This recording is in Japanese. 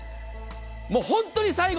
もう本当に最後。